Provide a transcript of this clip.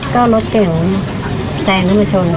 ก็รถเก่งแสงทุกชน